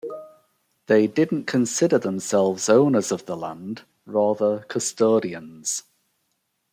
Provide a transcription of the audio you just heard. They didn't consider themselves owners of the land, rather custodians.